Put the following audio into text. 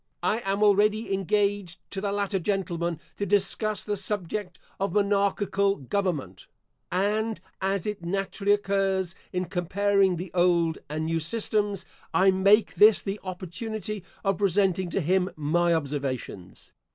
I am already engaged to the latter gentleman to discuss the subject of monarchical government; and as it naturally occurs in comparing the old and new systems, I make this the opportunity of presenting to him my observations.